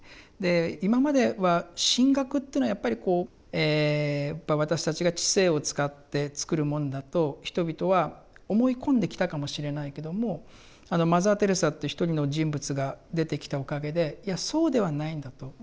今までは神学というのはやっぱりこう私たちが知性を使って作るもんだと人々は思い込んできたかもしれないけどもあのマザー・テレサっていう一人の人物が出てきたおかげでいやそうではないんだと。